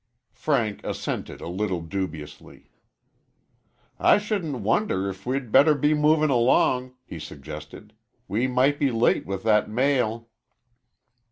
Frank assented a little dubiously. "I shouldn't wonder if we'd better be moving along," he suggested. "We might be late with that mail."